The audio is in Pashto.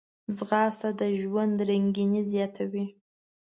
ځغاسته د ژوند رنګیني زیاتوي